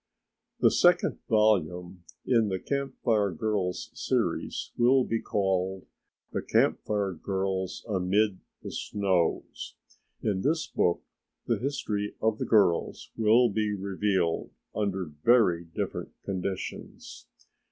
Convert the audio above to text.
The second volume in the Camp Fire Girls' Series will be called "The Camp Fire Girls Amid the Snows." In this book the history of the girls will be revealed under very different conditions.